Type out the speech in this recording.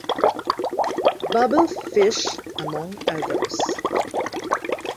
Babel Fish among others.